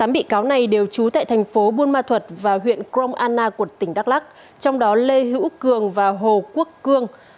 tám bị cáo này đều trú tại thành phố buôn ma thuật và huyện krong anna của tỉnh đắk lắc trong đó lê hữu cường và hồ quốc cương